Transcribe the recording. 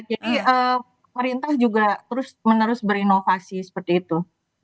jadi perintah juga terus menerus berinovasi seperti itu